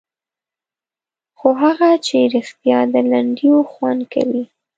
خو هغه چې رښتیا د لنډیو خوند کوي.